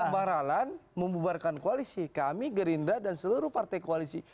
bang rahlan membuarkan koalisi kami gerinda dan seluruh partai koalisi